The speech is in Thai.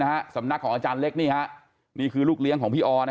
สำนักของอาจารย์เล็กนี่ฮะนี่คือลูกเลี้ยงของพี่ออน